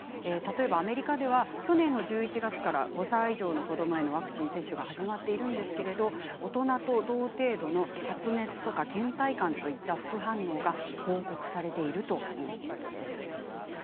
例えばアメリカでは去年の１１月から５歳以上の子どもへのワクチン接種が始まっているんですけれど大人と同程度の発熱とかけん怠感といった副反応が報告されているということです。